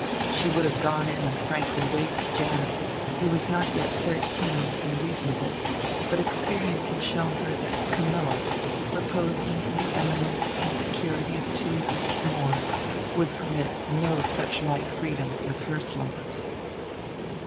She would have gone in and frankly waked Janet, who was not yet thirteen and reasonable; but experience had shown her that Camilla, reposing in the eminence and security of two years more, would permit no such light freedom with her slumbers.